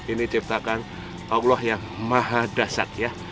ini ciptakan allah yang maha dasar ya